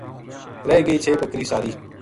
رہ گئی چھ بکری ساری